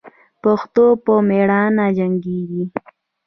پښتون په میړانه جنګیږي.